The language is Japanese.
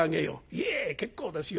「いえ結構ですよ。